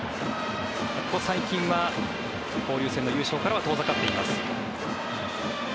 ここ最近は交流戦の優勝からは遠ざかっています。